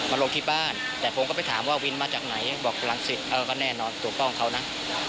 ลงที่บ้านแต่ผมก็ไปถามว่าวินมาจากไหนบอกหลังเสร็จเออก็แน่นอนปกป้องเขานะ